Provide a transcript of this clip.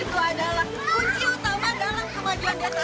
kalau kebersihan itu adalah kunci utama dalam kemajuan desa